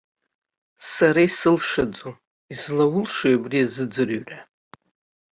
Сара исылшаӡом, излаулшои абри азыӡырҩра?